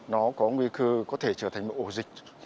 nó có nguy cơ có thể trở thành một ổ dịch